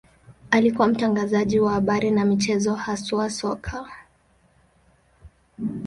Alikuwa mtangazaji wa habari na michezo, haswa soka.